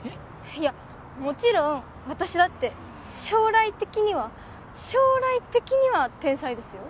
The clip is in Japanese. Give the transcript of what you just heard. いやもちろん私だって将来的には将来的には天才ですよ？